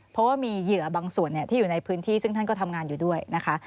เพราะว่ามีเหยื่อบางส่วนที่อยู่ในพื้นที่ซึ่งท่านก็ทำงานอยู่ด้วยนะคะ